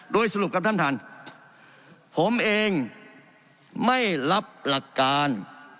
โดยสรุปครับท่านท่านผมเองไม่รับหลักการ